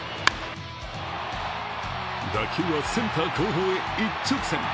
打球はセンター後方へ一直線。